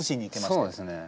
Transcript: そうですね。